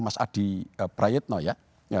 mas adi prayetno ya